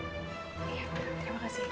iya terima kasih